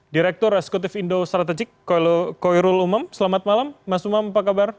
direktur eksekutif indo strategik koirul umam selamat malam mas umam apa kabar